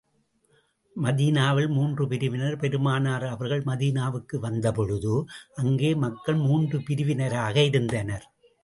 மதீனாவில் மூன்று பிரிவினர் பெருமானார் அவர்கள் மதீனாவுக்கு வந்த பொழுது, அங்கே மக்கள் மூன்று பிரிவினராக இருந்தனர்.